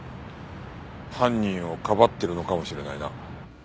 犯人をかばっているのかもしれないな。